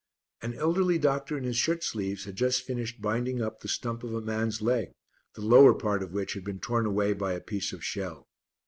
An elderly doctor in his shirt sleeves had just finished binding up the stump of a man's leg, the lower part of which had been torn away by a piece of shell.